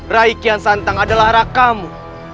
raikian santang adalah rakamu